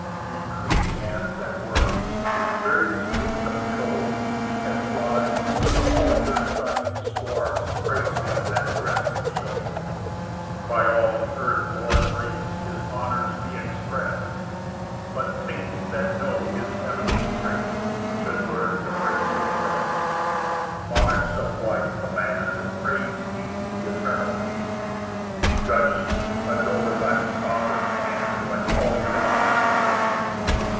11 Ye creeping ants and worms, His various wisdom show, And flies, in all your shining swarms, Praise him that drest you so. 12 By all the earth born race His honours be exprest; But saints that know his heavenly grace Should learn to praise him best. PAUSE II. 13 Monarchs of wide command, Praise ye th' eternal King; Judges, adore that sovereign hand Whence all your honours spring.